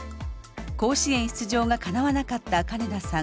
甲子園出場がかなわなかった金田さん